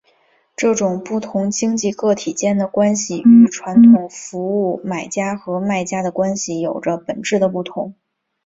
这种不同经济个体间的关系与传统的服务买家和卖家的关系有着本质的不同。